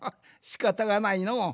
しかたがないのう。